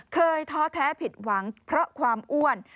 ท้อแท้ผิดหวังเพราะความอ้วน